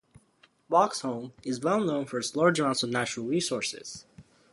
Boxholm is well known for its large amounts of natural resources.